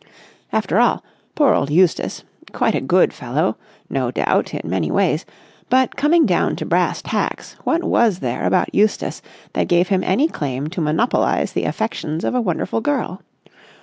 After all ... poor old Eustace ... quite a good fellow, no doubt in many ways ... but, coming down to brass tacks, what was there about Eustace that gave him any claim to monopolise the affections of a wonderful girl?